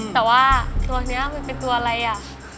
แต่ว่าตัวนี้มันเป็นตัวอะไรอ่ะ